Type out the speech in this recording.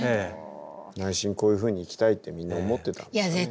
内心こういうふうに生きたいってみんな思ってたんですかね。